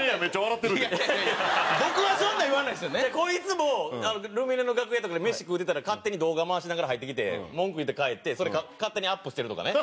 こいつもルミネの楽屋とかでメシ食うてたら勝手に動画回しながら入ってきて文句言うて帰ってそれ勝手にアップしてるとかね。